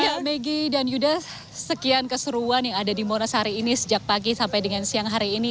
ya maggie dan yuda sekian keseruan yang ada di monas hari ini sejak pagi sampai dengan siang hari ini